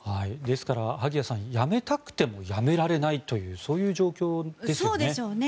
ですから、萩谷さんやめたくてもやめられないというそういう状況ですよね。